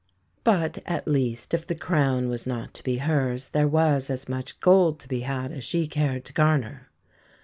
But at least, if the crown was not to be hers, there was as much gold to be had as she cared to garner.